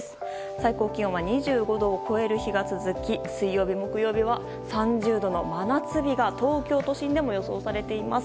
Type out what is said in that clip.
最高気温２５度を超える日が続き水曜、木曜は３０度の真夏日が東京都心でも予想されています。